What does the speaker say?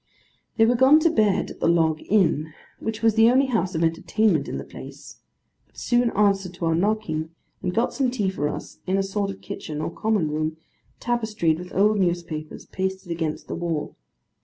They were gone to bed at the log Inn, which was the only house of entertainment in the place, but soon answered to our knocking, and got some tea for us in a sort of kitchen or common room, tapestried with old newspapers, pasted against the wall.